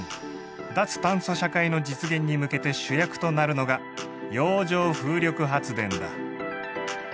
脱炭素社会の実現に向けて主役となるのが洋上風力発電だ。